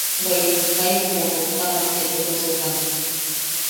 Bweʼituk jaibu boboktamak etejosukan.